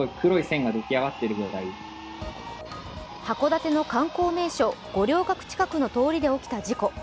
函館の観光名所・五稜郭近くの通りで起きた事故。